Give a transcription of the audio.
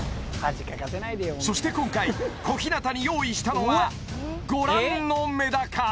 そして今回小日向に用意したのはご覧のメダカ